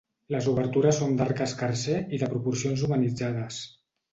Les obertures són d'arc escarser i de proporcions humanitzades.